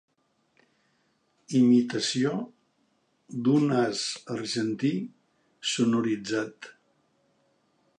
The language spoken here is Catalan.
Imitació d'un as argentí sonoritzat.